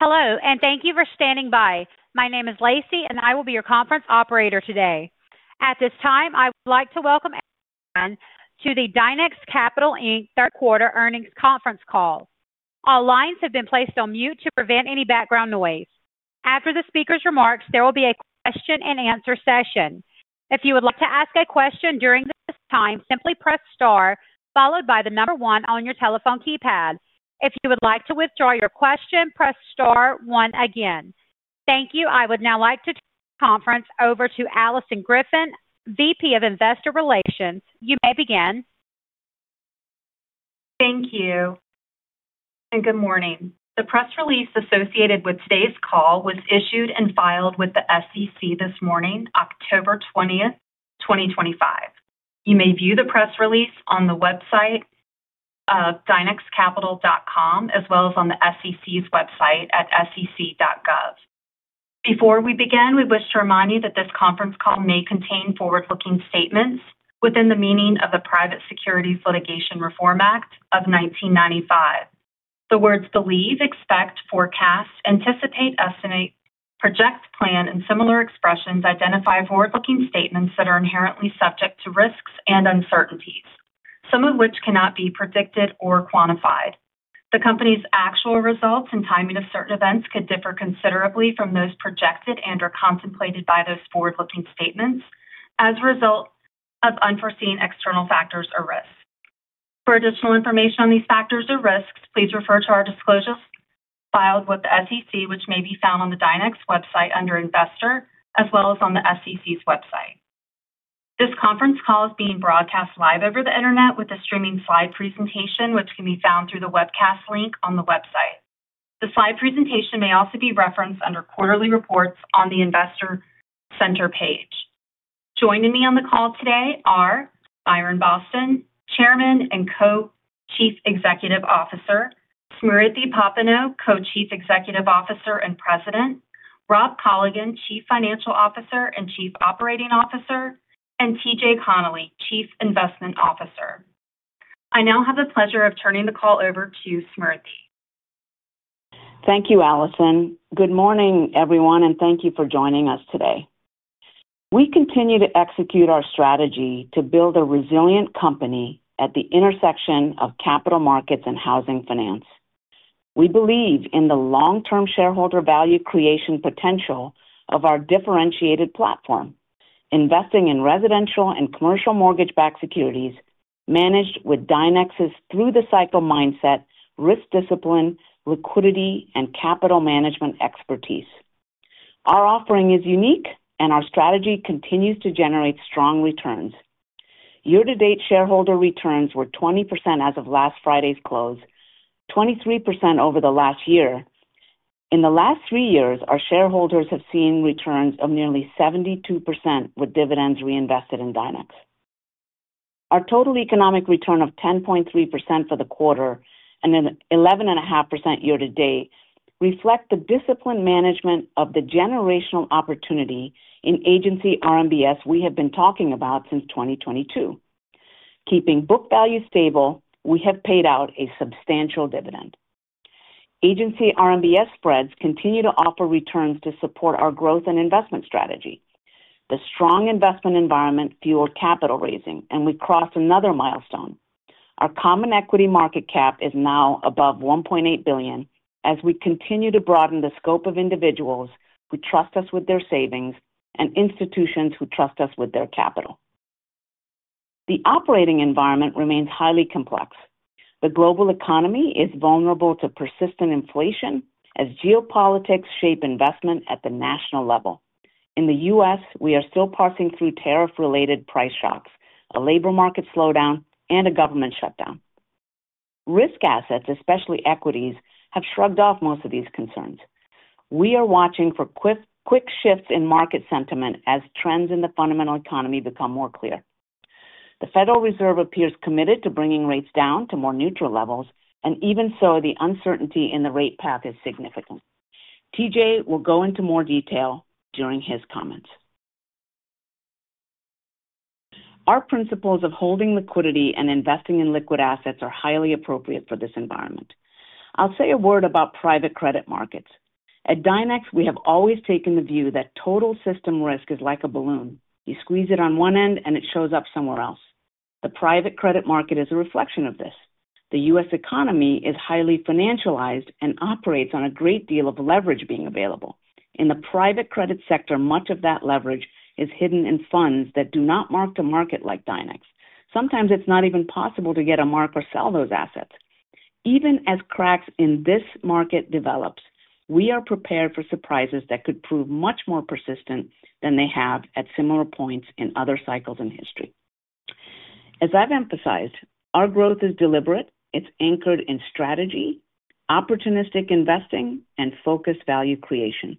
Hello, and thank you for standing by. My name is Lacey, and I will be your conference operator today. At this time, I would like to welcome everyone to the Dynex Capital, Inc Third Quarter Earnings conference call. All lines have been placed on mute to prevent any background noise. After the speaker's remarks, there will be a question and answer session. If you would like to ask a question during this time, simply press star followed by the number one on your telephone keypad. If you would like to withdraw your question, press star one again. Thank you. I would now like to turn the conference over to Alison Griffin, VP of Investor Relations. You may begin. Thank you, and good morning. The press release associated with today's call was issued and filed with the SEC this morning, October 20th, 2025. You may view the press release on the website of dynexcapital.com, as well as on the SEC's website at sec.gov. Before we begin, we wish to remind you that this conference call may contain forward-looking statements within the meaning of the Private Securities Litigation Reform Act of 1995. The words "believe," "expect," "forecast," "anticipate," "estimate," "project," "plan," and similar expressions identify forward-looking statements that are inherently subject to risks and uncertainties, some of which cannot be predicted or quantified. The company's actual results and timing of certain events could differ considerably from those projected and/or contemplated by those forward-looking statements as a result of unforeseen external factors or risks. For additional information on these factors or risks, please refer to our disclosures filed with the SEC, which may be found on the Dynex Capital website under Investor, as well as on the SEC's website. This conference call is being broadcast live over the internet with a streaming slide presentation, which can be found through the webcast link on the website. The slide presentation may also be referenced under Quarterly Reports on the Investor Center page. Joining me on the call today are Byron Boston, Chairman and Co-Chief Executive Officer; Smriti Popenoe, Co-Chief Executive Officer and President; Rob Colligan, Chief Financial Officer and Chief Operating Officer; and T.J. Connelly, Chief Investment Officer. I now have the pleasure of turning the call over to Smriti. Thank you, Alison. Good morning, everyone, and thank you for joining us today. We continue to execute our strategy to build a resilient company at the intersection of capital markets and housing finance. We believe in the long-term shareholder value creation potential of our differentiated platform, investing in residential and commercial mortgage-backed securities managed with Dynex's through-the-cycle mindset, risk discipline, liquidity, and capital management expertise. Our offering is unique, and our strategy continues to generate strong returns. Year-to-date shareholder returns were 20% as of last Friday's close, 23% over the last year. In the last three years, our shareholders have seen returns of nearly 72% with dividends reinvested in Dynex. Our total economic return of 10.3% for the quarter and 11.5% year to date reflect the disciplined management of the generational opportunity in Agency RMBS we have been talking about since 2022. Keeping book value stable, we have paid out a substantial dividend. Agency RMBS spreads continue to offer returns to support our growth and investment strategy. The strong investment environment fueled capital raising, and we crossed another milestone. Our common equity market cap is now above $1.8 billion as we continue to broaden the scope of individuals who trust us with their savings and institutions who trust us with their capital. The operating environment remains highly complex. The global economy is vulnerable to persistent inflation as geopolitics shape investment at the national level. In the U.S., we are still parsing through tariff-related price shocks, a labor market slowdown, and a government shutdown. Risk assets, especially equities, have shrugged off most of these concerns. We are watching for quick shifts in market sentiment as trends in the fundamental economy become more clear. The Federal Reserve appears committed to bringing rates down to more neutral levels, and even so, the uncertainty in the rate path is significant. T.J. will go into more detail during his comments. Our principles of holding liquidity and investing in liquid assets are highly appropriate for this environment. I'll say a word about private credit markets. At Dynex, we have always taken the view that total system risk is like a balloon. You squeeze it on one end, and it shows up somewhere else. The private credit market is a reflection of this. The U.S. economy is highly financialized and operates on a great deal of leverage being available. In the private credit sector, much of that leverage is hidden in funds that do not mark to market like Dynex. Sometimes it's not even possible to get a mark or sell those assets. Even as cracks in this market develop, we are prepared for surprises that could prove much more persistent than they have at similar points in other cycles in history. As I've emphasized, our growth is deliberate. It's anchored in strategy, opportunistic investing, and focused value creation.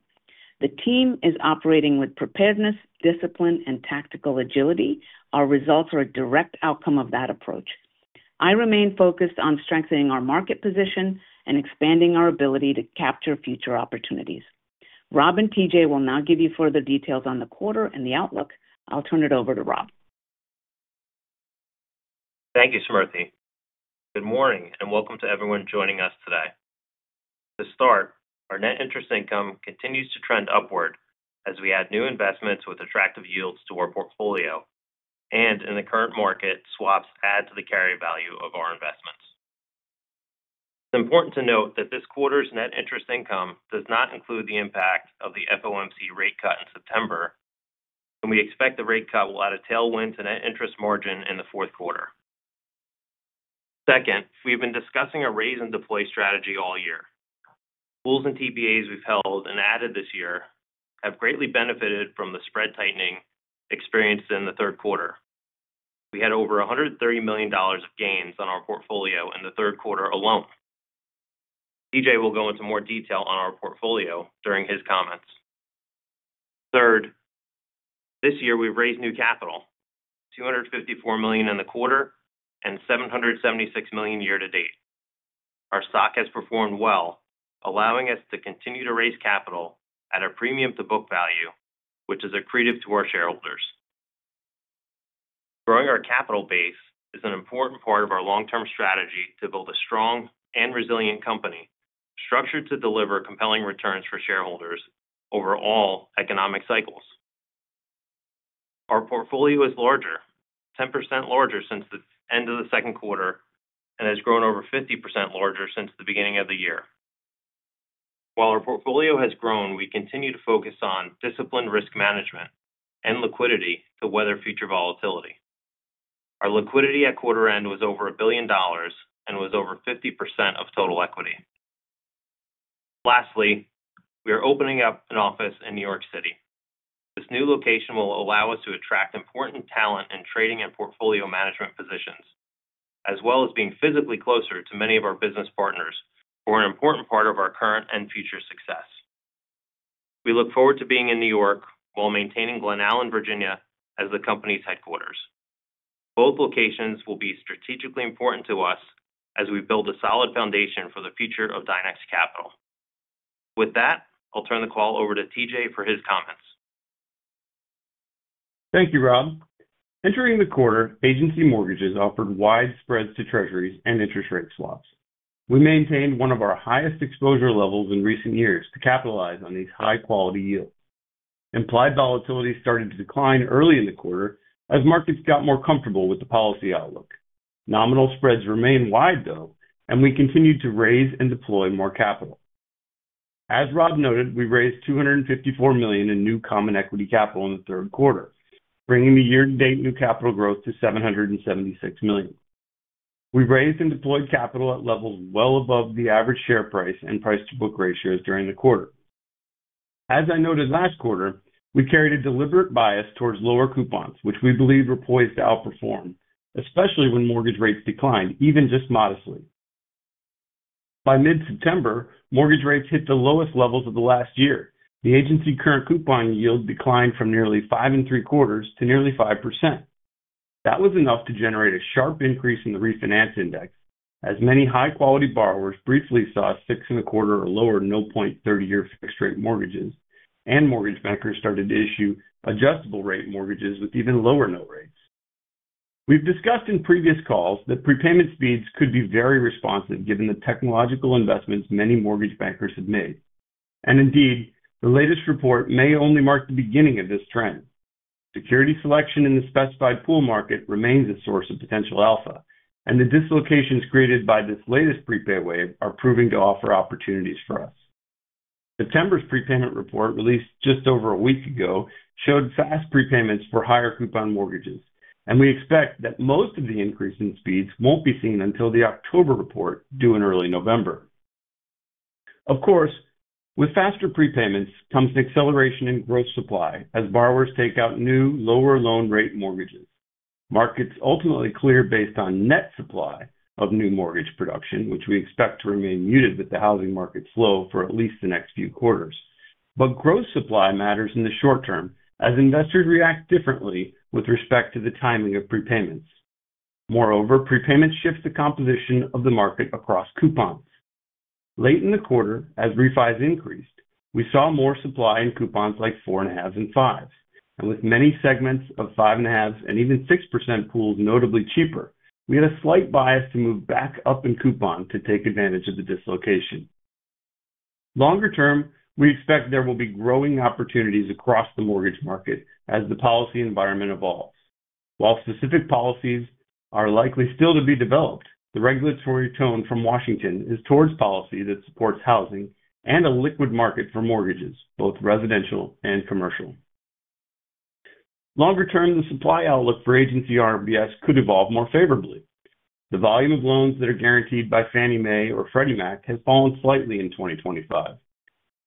The team is operating with preparedness, discipline, and tactical agility. Our results are a direct outcome of that approach. I remain focused on strengthening our market position and expanding our ability to capture future opportunities. Rob and T.J. will now give you further details on the quarter and the outlook. I'll turn it over to Rob. Thank you, Smriti. Good morning and welcome to everyone joining us today. To start, our net interest income continues to trend upward as we add new investments with attractive yields to our portfolio, and in the current market, swaps add to the carry value of our investments. It's important to note that this quarter's net interest income does not include the impact of the FOMC rate cut in September, and we expect the rate cut will add a tailwind to net interest margin in the fourth quarter. We've been discussing a raise and deploy strategy all year. Pools and TBAs we've held and added this year have greatly benefited from the spread tightening experienced in the third quarter. We had over $130 million of gains on our portfolio in the third quarter alone. T.J. will go into more detail on our portfolio during his comments. This year we've raised new capital, $254 million in the quarter and $776 million year to date. Our stock has performed well, allowing us to continue to raise capital at a premium to book value, which is accretive to our shareholders. Growing our capital base is an important part of our long-term strategy to build a strong and resilient company structured to deliver compelling returns for shareholders over all economic cycles. Our portfolio is larger, 10% larger since the end of the second quarter, and has grown over 50% larger since the beginning of the year. While our portfolio has grown, we continue to focus on disciplined risk management and liquidity to weather future volatility. Our liquidity at quarter end was over $1 billion and was over 50% of total equity. Lastly, we are opening up an office in New York City. This new location will allow us to attract important talent in trading and portfolio management positions, as well as being physically closer to many of our business partners who are an important part of our current and future success. We look forward to being in New York while maintaining Glen Allen, Virginia, as the company's headquarters. Both locations will be strategically important to us as we build a solid foundation for the future of Dynex Capital. With that, I'll turn the call over to T.J. for his comments. Thank you, Rob. Entering the quarter, agency mortgages offered wide spreads to Treasuries and interest rate swaps. We maintained one of our highest exposure levels in recent years to capitalize on these high-quality yields. Implied volatility started to decline early in the quarter as markets got more comfortable with the policy outlook. Nominal spreads remain wide, though, and we continue to raise and deploy more capital. As Rob noted, we raised $254 million in new common equity capital in the third quarter, bringing the year-to-date new capital growth to $776 million. We raised and deployed capital at levels well above the average share price and price-to-book ratios during the quarter. As I noted last quarter, we carried a deliberate bias towards lower coupons, which we believe were poised to outperform, especially when mortgage rates declined, even just modestly. By mid-September, mortgage rates hit the lowest levels of the last year. The agency current coupon yield declined from nearly 5.75% to nearly 5%. That was enough to generate a sharp increase in the refinance index, as many high-quality borrowers briefly saw 6.25% or lower no-point 30-year fixed-rate mortgages, and mortgage bankers started to issue adjustable-rate mortgages with even lower note rates. We've discussed in previous calls that prepayment speeds could be very responsive given the technological investments many mortgage bankers have made. Indeed, the latest report may only mark the beginning of this trend. Security selection in the specified pool market remains a source of potential alpha, and the dislocations created by this latest prepay wave are proving to offer opportunities for us. September's prepayment report released just over a week ago showed fast prepayments for higher coupon mortgages, and we expect that most of the increase in speeds won't be seen until the October report due in early November. Of course, with faster prepayments comes an acceleration in gross supply as borrowers take out new lower loan-rate mortgages. Markets ultimately clear based on net supply of new mortgage production, which we expect to remain muted with the housing market slow for at least the next few quarters. Gross supply matters in the short term as investors react differently with respect to the timing of prepayments. Moreover, prepayments shift the composition of the market across coupons. Late in the quarter, as refis increased, we saw more supply in coupons like 4.5s and 5s, and with many segments of 5.5s and even 6% pools notably cheaper, we had a slight bias to move back up in coupon to take advantage of the dislocation. Longer term, we expect there will be growing opportunities across the mortgage market as the policy environment evolves. While specific policies are likely still to be developed, the regulatory tone from Washington is towards policy that supports housing and a liquid market for mortgages, both residential and commercial. Longer term, the supply outlook for Agency RMBS could evolve more favorably. The volume of loans that are guaranteed by Fannie Mae or Freddie Mac has fallen slightly in 2025.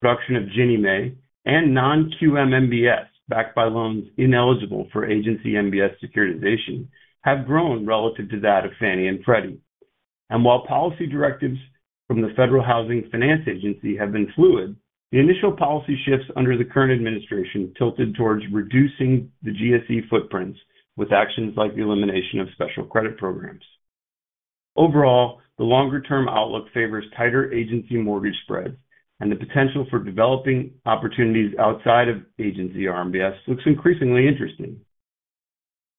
Production of Ginnie Mae and non-QM MBS backed by loans ineligible for Agency MBS securitization have grown relative to that of Fannie and Freddie. While policy directives from the Federal Housing Finance Agency have been fluid, the initial policy shifts under the current administration tilted towards reducing the GSE footprints with actions like the elimination of special credit programs. Overall, the longer-term outlook favors tighter agency mortgage spreads, and the potential for developing opportunities outside of Agency RMBS looks increasingly interesting.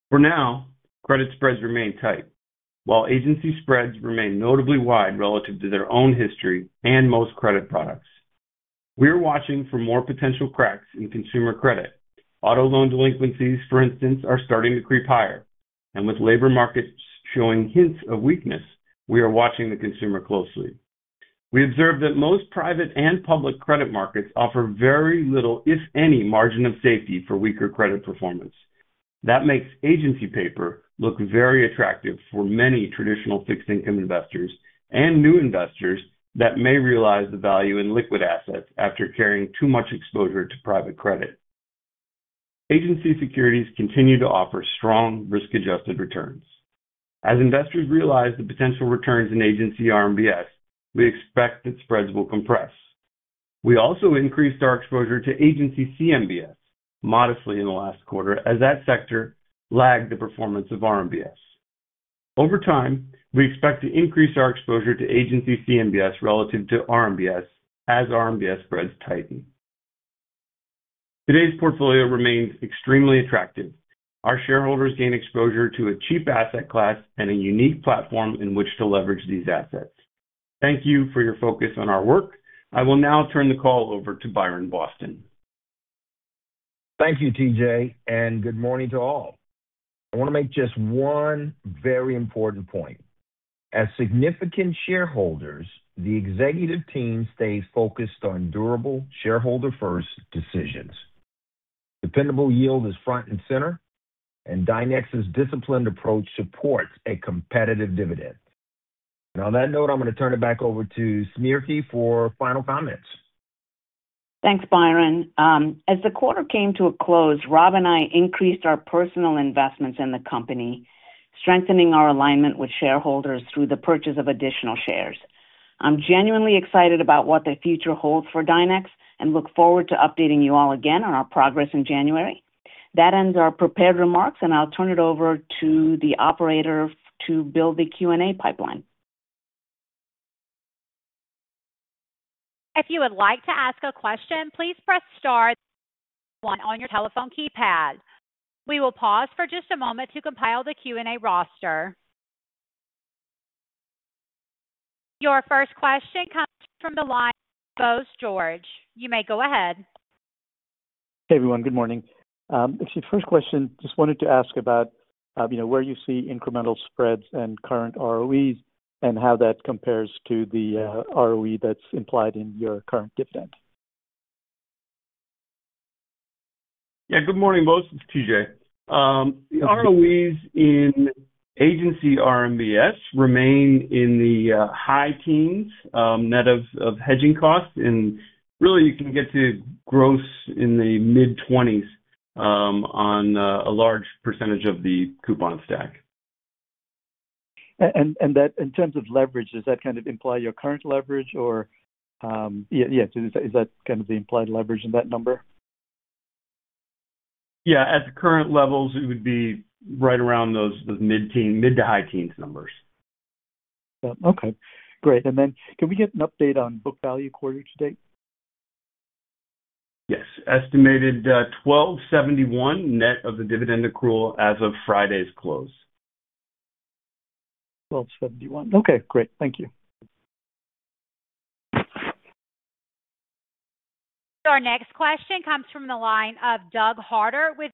For now, credit spreads remain tight, while agency spreads remain notably wide relative to their own history and most credit products. We are watching for more potential cracks in consumer credit. Auto loan delinquencies, for instance, are starting to creep higher, and with labor markets showing hints of weakness, we are watching the consumer closely. We observe that most private and public credit markets offer very little, if any, margin of safety for weaker credit performance. That makes agency paper look very attractive for many traditional fixed-income investors and new investors that may realize the value in liquid assets after carrying too much exposure to private credit. Agency securities continue to offer strong risk-adjusted returns. As investors realize the potential returns in Agency RMBS, we expect that spreads will compress. We also increased our exposure to Agency CMBS modestly in the last quarter as that sector lagged the performance of RMBS. Over time, we expect to increase our exposure to Agency CMBS relative to RMBS as RMBS spreads tighten. Today's portfolio remains extremely attractive. Our shareholders gain exposure to a cheap asset class and a unique platform in which to leverage these assets. Thank you for your focus on our work. I will now turn the call over to Byron Boston. Thank you, T.J., and good morning to all. I want to make just one very important point. As significant shareholders, the executive team stays focused on durable shareholder-first decisions. Dependable yield is front and center, and Dynex's disciplined approach supports a competitive dividend. On that note, I'm going to turn it back over to Smriti for final comments. Thanks, Byron. As the quarter came to a close, Rob and I increased our personal investments in the company, strengthening our alignment with shareholders through the purchase of additional shares. I'm genuinely excited about what the future holds for Dynex and look forward to updating you all again on our progress in January. That ends our prepared remarks, and I'll turn it over to the operator to build the Q&A pipeline. If you would like to ask a question, please press star one on your telephone keypad. We will pause for just a moment to compile the Q&A roster. Your first question comes from the line of Bose George. You may go ahead. Hey, everyone. Good morning. The first question I just wanted to ask about, you know, where you see incremental spreads and current ROEs and how that compares to the ROE that's implied in your current dividend. Yeah, good morning both. It's T.J. ROEs in Agency RMBS remain in the high teens net of hedging costs, and really you can get to gross in the mid-20s on a large percentage of the coupon stack. In terms of leverage, does that kind of imply your current leverage, or is that kind of the implied leverage in that number? Yeah, at the current levels, it would be right around those mid-to-high teens numbers. Okay, great. Can we get an update on book value quarter to date? Yes, estimated $1,271 net of the dividend accrual as of Friday's close. $1,271. Okay, great. Thank you. Our next question comes from the line of Doug Harter with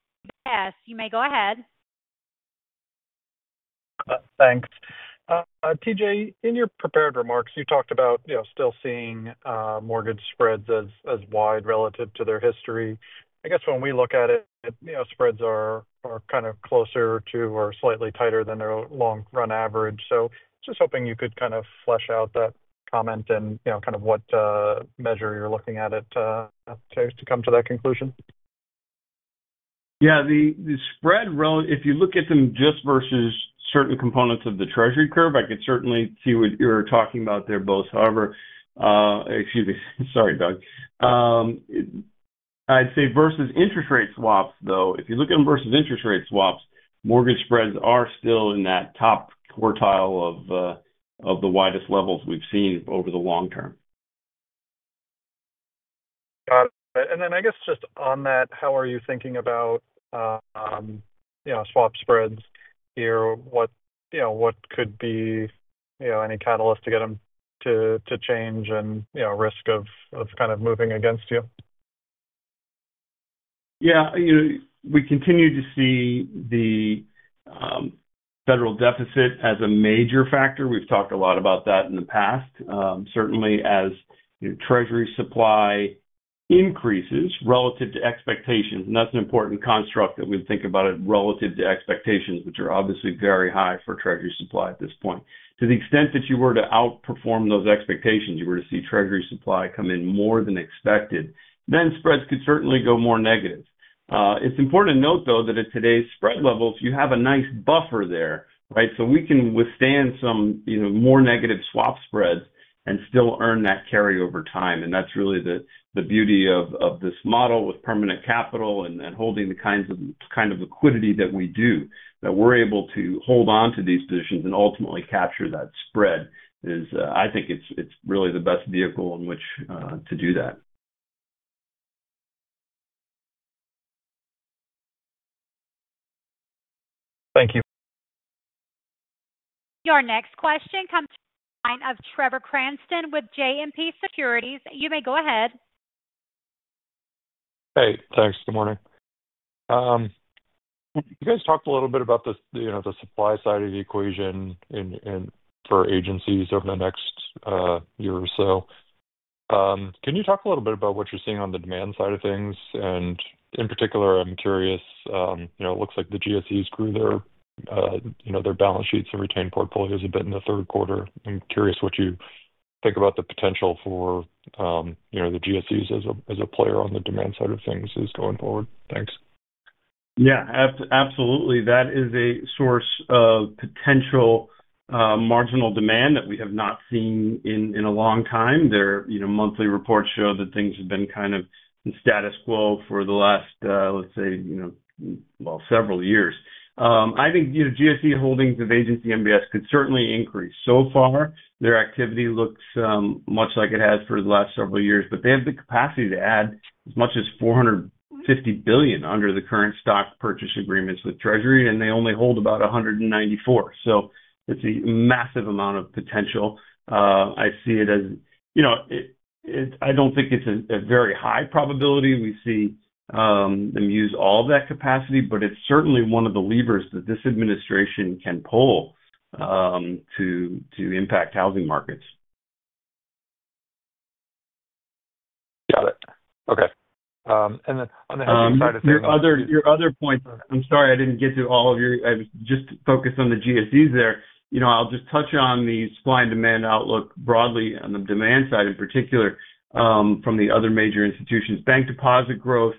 UBS. You may go ahead. Thanks. T.J., in your prepared remarks, you talked about still seeing mortgage spreads as wide relative to their history. I guess when we look at it, spreads are kind of closer to or slightly tighter than their long-run average. Just hoping you could flesh out that comment and what measure you're looking at to come to that conclusion. Yeah, the spread relative—if you look at them just versus certain components of the Treasury curve, I could certainly see what you were talking about there, Doug. I'd say versus interest rate swaps, though, if you look at them versus interest rate swaps, mortgage spreads are still in that top quartile of the widest levels we've seen over the long term. Got it. I guess just on that, how are you thinking about, you know, swap spreads here? What could be, you know, any catalyst to get them to change and, you know, risk of kind of moving against you? Yeah, you know, we continue to see the federal deficit as a major factor. We've talked a lot about that in the past. Certainly, as Treasury supply increases relative to expectations, and that's an important construct that we would think about it relative to expectations, which are obviously very high for Treasury supply at this point. To the extent that you were to outperform those expectations, you were to see Treasury supply come in more than expected, then spreads could certainly go more negative. It's important to note, though, that at today's spread levels, you have a nice buffer there, right? We can withstand some more negative swap spreads and still earn that carry over time. That's really the beauty of this model with permanent capital and holding the kind of liquidity that we do, that we're able to hold on to these positions and ultimately capture that spread. I think it's really the best vehicle in which to do that. Thank you. Your next question comes from the line of Trevor Cranston with Citizens JMP Securities. You may go ahead. Hey, thanks. Good morning. You guys talked a little bit about the supply side of the equation for agencies over the next year or so. Can you talk a little bit about what you're seeing on the demand side of things? In particular, I'm curious, it looks like the GSEs grew their balance sheets and retained portfolios a bit in the third quarter. I'm curious what you think about the potential for the GSEs as a player on the demand side of things going forward. Thanks. Yeah, absolutely. That is a source of potential marginal demand that we have not seen in a long time. Their monthly reports show that things have been kind of the status quo for the last, let's say, several years. I think GSE holdings of Agency MBS could certainly increase. So far, their activity looks much like it has for the last several years, but they have the capacity to add as much as $450 billion under the current stock purchase agreements with Treasury, and they only hold about $194 billion. It's a massive amount of potential. I see it as, I don't think it's a very high probability we see them use all of that capacity, but it's certainly one of the levers that this administration can pull to impact housing markets. Got it. Okay, on the housing side of things. Your other points, I'm sorry, I didn't get to all of your—I was just focused on the GSEs there. I'll just touch on the supply and demand outlook broadly on the demand side, in particular from the other major institutions. Bank deposit growth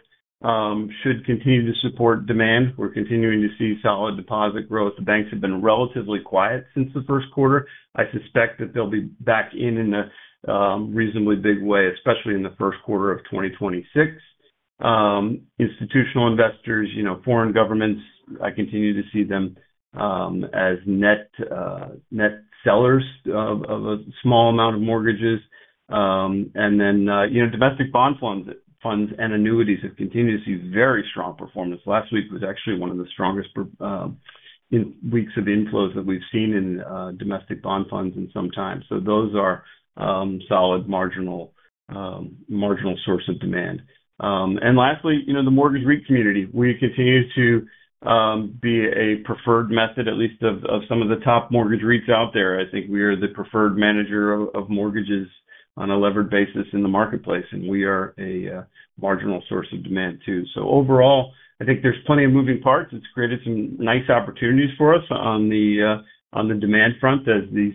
should continue to support demand. We're continuing to see solid deposit growth. The banks have been relatively quiet since the first quarter. I suspect that they'll be back in in a reasonably big way, especially in the first quarter of 2026. Institutional investors, foreign governments, I continue to see them as net sellers of a small amount of mortgages. Domestic bond funds and annuities have continued to see very strong performance. Last week was actually one of the strongest weeks of inflows that we've seen in domestic bond funds in some time. Those are solid marginal sources of demand. Lastly, the mortgage REIT community, we continue to be a preferred method, at least of some of the top mortgage REITs out there. I think we are the preferred manager of mortgages on a levered basis in the marketplace, and we are a marginal source of demand too. Overall, I think there's plenty of moving parts. It's created some nice opportunities for us on the demand front as these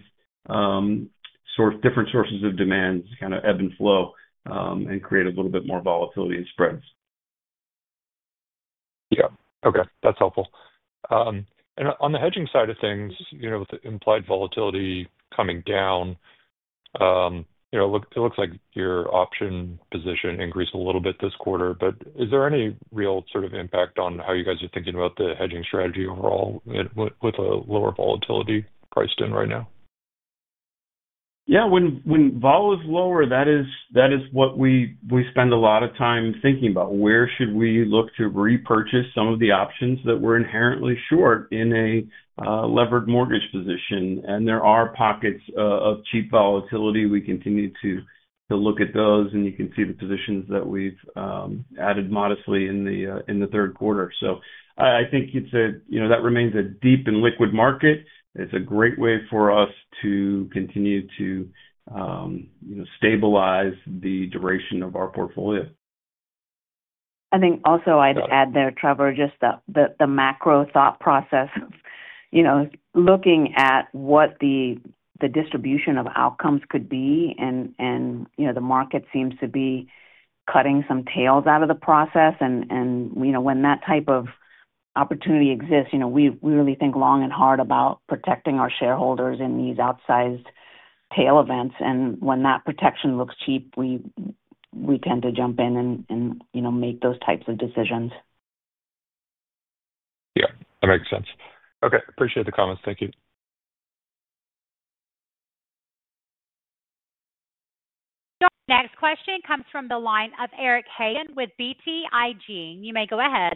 different sources of demand kind of ebb and flow and create a little bit more volatility in spreads. Okay, that's helpful. On the hedging side of things, with the implied volatility coming down, it looks like your option position increased a little bit this quarter. Is there any real sort of impact on how you guys are thinking about the hedging strategy overall with a lower volatility priced in right now? Yeah, when vol is lower, that is what we spend a lot of time thinking about. Where should we look to repurchase some of the options that we're inherently short in a levered mortgage position? There are pockets of cheap volatility. We continue to look at those, and you can see the positions that we've added modestly in the third quarter. I think it's a, you know, that remains a deep and liquid market. It's a great way for us to continue to, you know, stabilize the duration of our portfolio. I think also I'd add there, Trevor, just the macro thought process of, you know, looking at what the distribution of outcomes could be. The market seems to be cutting some tails out of the process. When that type of opportunity exists, we really think long and hard about protecting our shareholders in these outsized tail events. When that protection looks cheap, we tend to jump in and make those types of decisions. Yeah, that makes sense. Okay. Appreciate the comments. Thank you. Our next question comes from the line of Eric Hagen with BTIG. You may go ahead.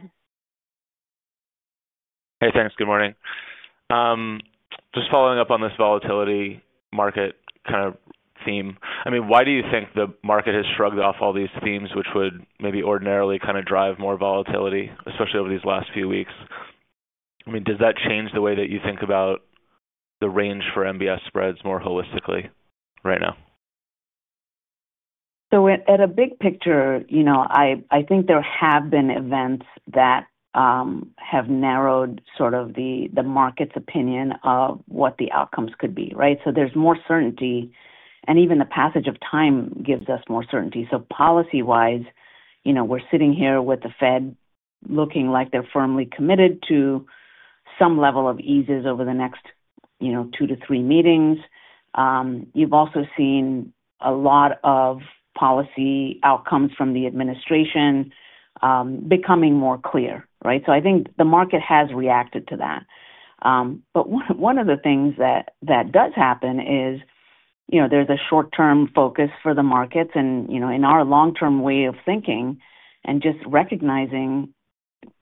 Hey, thanks. Good morning. Just following up on this volatility market kind of theme. Why do you think the market has shrugged off all these themes, which would maybe ordinarily kind of drive more volatility, especially over these last few weeks? Does that change the way that you think about the range for MBS spreads more holistically right now? At a big picture, I think there have been events that have narrowed sort of the market's opinion of what the outcomes could be, right? There is more certainty, and even the passage of time gives us more certainty. Policy-wise, we're sitting here with the Fed looking like they're firmly committed to some level of eases over the next two to three meetings. You've also seen a lot of policy outcomes from the administration becoming more clear, right? I think the market has reacted to that. One of the things that does happen is there is a short-term focus for the markets. In our long-term way of thinking and just recognizing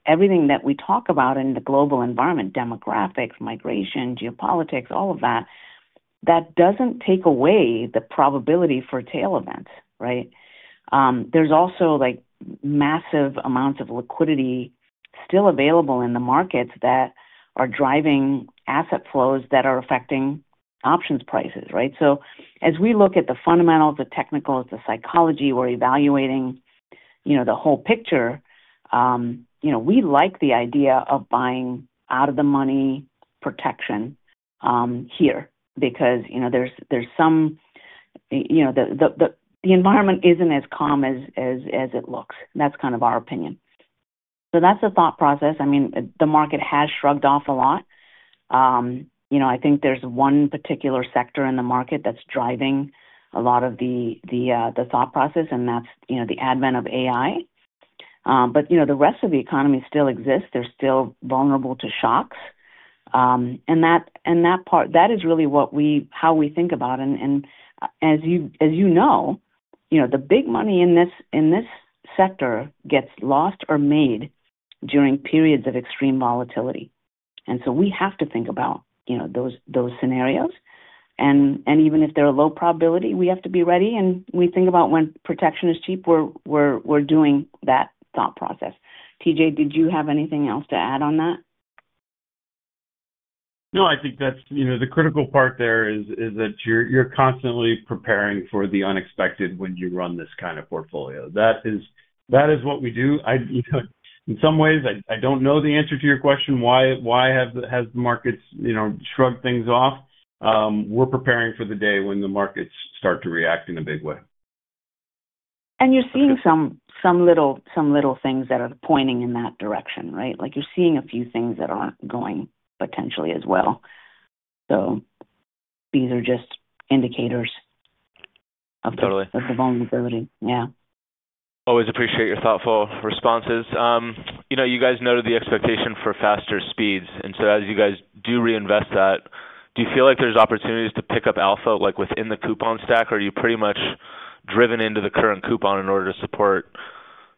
everything that we talk about in the global environment, demographics, migration, geopolitics, all of that, that doesn't take away the probability for tail events, right? There are also massive amounts of liquidity still available in the markets that are driving asset flows that are affecting options prices, right? As we look at the fundamentals, the technicals, the psychology, we're evaluating the whole picture. We like the idea of buying out-of-the-money protection here because the environment isn't as calm as it looks. That's kind of our opinion. That's the thought process. I mean, the market has shrugged off a lot. I think there's one particular sector in the market that's driving a lot of the thought process, and that's the advent of AI. The rest of the economy still exists. They're still vulnerable to shocks. That part, that is really how we think about it. As you know, the big money in this sector gets lost or made during periods of extreme volatility. We have to think about those scenarios. Even if they're a low probability, we have to be ready. We think about when protection is cheap, we're doing that thought process. T.J., did you have anything else to add on that? No, I think that's the critical part there, that you're constantly preparing for the unexpected when you run this kind of portfolio. That is what we do. In some ways, I don't know the answer to your question. Why have the markets shrugged things off? We're preparing for the day when the markets start to react in a big way. You're seeing some little things that are pointing in that direction, right? You're seeing a few things that aren't going potentially as well. These are just indicators of the vulnerability. Always appreciate your thoughtful responses. You guys noted the expectation for faster speeds. As you guys do reinvest that, do you feel like there's opportunities to pick up alpha within the coupon stack, or are you pretty much driven into the current coupon in order to support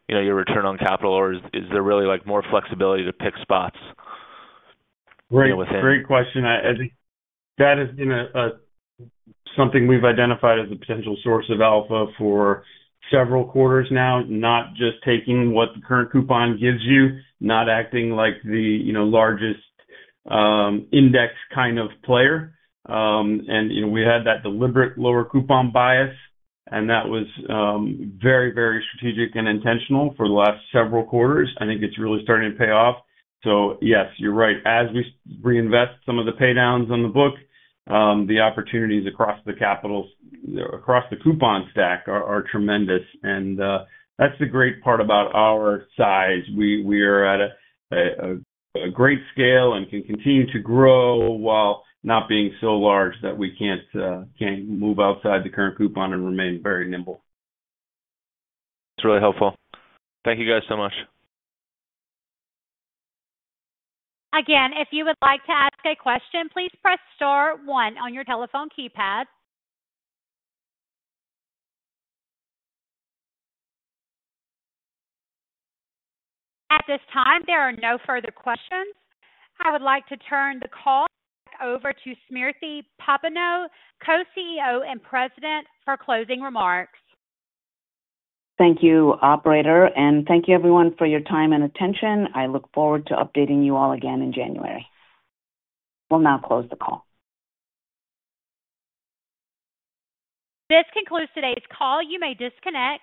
your return on capital? Or is there really more flexibility to pick spots? Right. Great question. That has been something we've identified as a potential source of alpha for several quarters now, not just taking what the current coupon gives you, not acting like the, you know, largest index kind of player. We had that deliberate lower coupon bias, and that was very, very strategic and intentional for the last several quarters. I think it's really starting to pay off. Yes, you're right. As we reinvest some of the paydowns on the book, the opportunities across the capital, across the coupon stack are tremendous. That's the great part about our size. We are at a great scale and can continue to grow while not being so large that we can't move outside the current coupon and remain very nimble. That's really helpful. Thank you guys so much. Again, if you would like to ask a question, please press star one on your telephone keypad. At this time, there are no further questions. I would like to turn the call back over to Smriti Popenoe, Co-CEO and President, for closing remarks. Thank you, operator. Thank you, everyone, for your time and attention. I look forward to updating you all again in January. We'll now close the call. This concludes today's call. You may disconnect.